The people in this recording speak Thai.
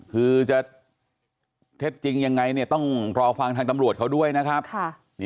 คือจะเท็จจริงยังไงเนี่ยต้องรอฟังทางตำรวจเขาด้วยนะครับ